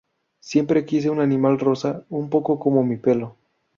Siempre quise un animal rosa, un poco como mi pelo".